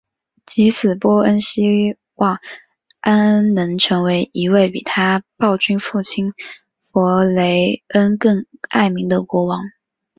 藉此波恩希望艾恩能成为一位比他的暴君父亲弗雷恩更爱民的国王。